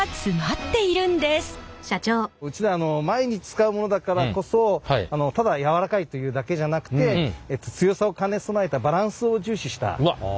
うちでは毎日使うものだからこそただ柔らかいというだけじゃなくて強さを兼ね備えたバランスを重視したティッシュを作っております。